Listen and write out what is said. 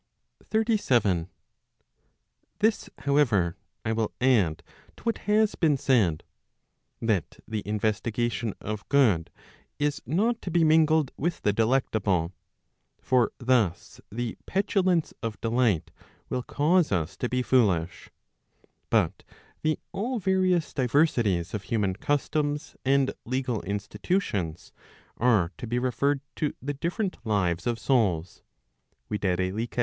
37* This however, I will add to what has been said, that the investiga¬ tion of good is not to be mingled with the delectable, (for thus the petulance of delight will cause us to be foolish) but the all various diversi¬ ties of human customs and legal institutions^ are to be referred to the different lives of souls, viz.